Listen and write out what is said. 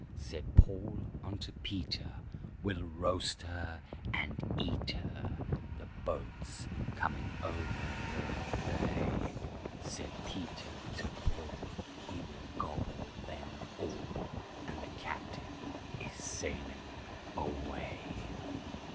Said Paul unto Peter, "We'll roast her and eat her, The boat's coming over the bay." Said Peter to Paul, "We will gobble them all, And the captain is sailing away!"